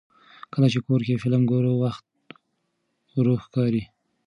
کله چې کور کې فلم ګورو، وخت ورو ښکاري.